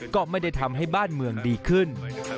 ก็ไม่ได้ทำให้บ้านเมืองดีขึ้น